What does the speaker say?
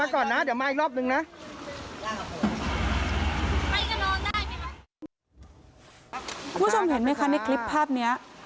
คุณผู้ชมเห็นไหมคะในคลิปภาพนี้